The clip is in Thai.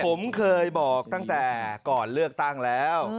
ผมเคยบอกตั้งแต่ก่อนเลือกตั้งแล้ว